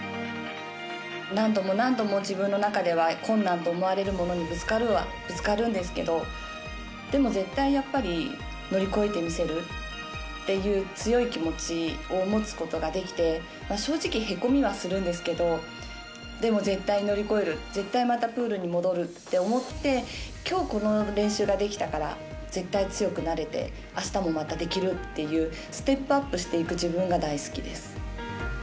何度も何度も自分の中では困難と思われるものにぶつかるはぶつかるんですけどでも、絶対やっぱり乗り越えてみせるという強い気持ちを持つことができて正直、へこみはするんですけどでも絶対乗り越える絶対またプールに戻ると思ってきょう、この練習ができたから絶対強くなれてあしたもまたできるというステップアップしていく自分が大好きです。